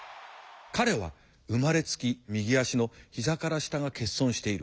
彼は生まれつき右足の膝から下が欠損している。